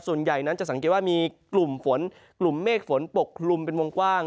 ส่วนใหญ่นั้นจะสังเกตว่ามีกลุ่มฝนกลุ่มเมฆฝนปกคลุมเป็นวงกว้าง